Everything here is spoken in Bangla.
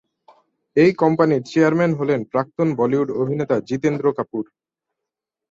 এই কোম্পানির চেয়ারম্যান হলেন প্রাক্তন বলিউড অভিনেতা জিতেন্দ্র কাপুর।